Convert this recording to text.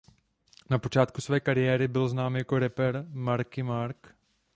Na počátku své kariéry byl znám jako rapper Marky Mark.